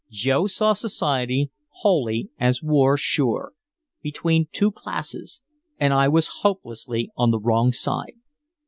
Joe saw society wholly as "War Sure" between two classes, and I was hopelessly on the wrong side.